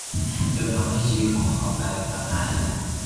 จนทำให้ชีวิตของเขากลายเป็นฝันร้าย